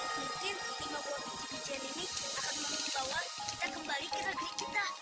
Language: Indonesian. mungkin lima buah biji bijian ini akan membawa kita kembali ke negeri kita lagi